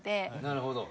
なるほど。